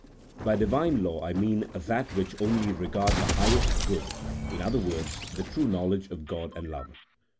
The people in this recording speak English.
By Divine law I mean that which only regards the highest good, in other words, the true knowledge of God and love.